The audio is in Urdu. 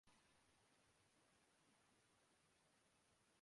طبیب مریض کی حالت کا جائزہ لیتے ہیں